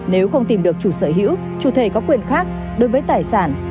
nếu không tìm được chủ sở hữu chủ thể có quyền khác đối với tài sản